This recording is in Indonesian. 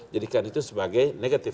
jadikan itu sebagai negatif